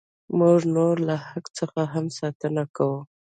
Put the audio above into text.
موږ د نورو له حق څخه هم ساتنه کوو.